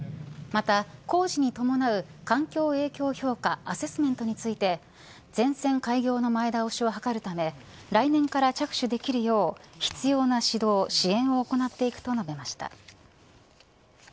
また、工事に伴う環境影響評価アセスメントについて全線開業の前倒しを図るため来年から着手できるよう必要な指導、支援を行っていくと述べました。